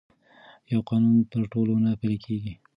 یو قانون پر ټولو نه پلي کېږي.